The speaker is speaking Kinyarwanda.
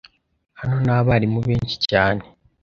Hano nta barimu benshi cyane.